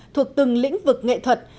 thuộc từng lĩnh vực nghệ thuật